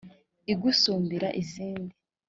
igusumbira izindi